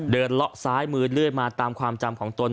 เลาะซ้ายมือเรื่อยมาตามความจำของตน